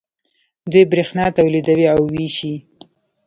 دوی بریښنا تولیدوي او ویشي.